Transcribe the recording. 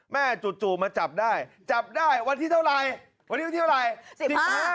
จู่มาจับได้จับได้วันที่เท่าไหร่วันนี้วันที่เท่าไหร่